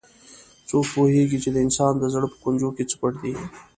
څوک پوهیږي چې د انسان د زړه په کونجونو کې څه پټ دي